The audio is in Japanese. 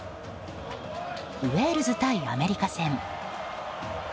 ウェールズ対アメリカ戦。